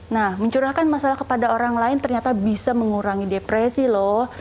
nah mencurahkan masalah kepada orang lain ternyata bisa mengurangi depresi loh